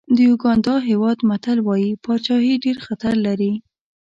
د یوګانډا هېواد متل وایي پاچاهي ډېر خطر لري.